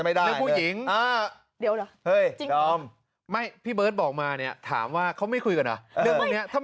ไม่คุยก็ไม่มีอะไรคุยเลยนะ